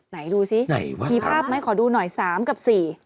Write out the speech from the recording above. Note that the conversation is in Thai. ไหนดูสิไหนวะมีภาพไหมขอดูหน่อย๓กับ๔